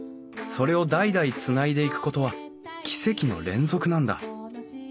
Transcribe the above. それを代々つないでいくことは奇跡の連続なんだ。